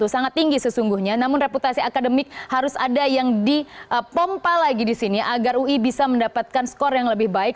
sangat tinggi sesungguhnya namun reputasi akademik harus ada yang dipompa lagi di sini agar ui bisa mendapatkan skor yang lebih baik